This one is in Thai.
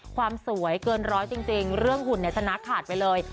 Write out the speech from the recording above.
ความสวยเกินร้อยจริงเรื่องหุ่นเนี่ยชนะขาดไปเลย